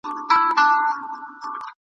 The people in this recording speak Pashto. دا دغرونو لوړي څوکي ..